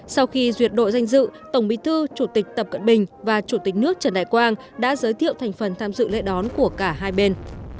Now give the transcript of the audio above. sau khi duyệt đội danh dự tổng bí thư chủ tịch tập cận bình và chủ tịch nước trần đại quang đã giới thiệu thành phần tham dự lễ đón của cả hai bên